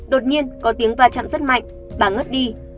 đột nhiên có tiếng va chạm rất mạnh bà ngất đi